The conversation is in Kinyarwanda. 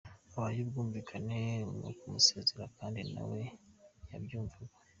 Habayeho ubwumvikane mu kumusezerera kandi na we yabyumvaga.